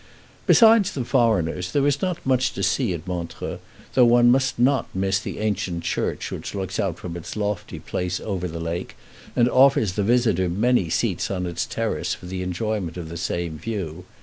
Besides the foreigners, there is not much to see at Montreux, though one must not miss the ancient church which looks out from its lofty place over the lake, and offers the visitor many seats on its terrace for the enjoyment of the same view.